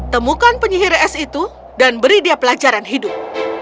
temukan penyihir es itu dan beri dia pelajaran hidup